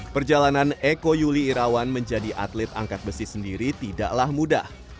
perjalanan eko yuli irawan menjadi atlet angkat besi sendiri tidaklah mudah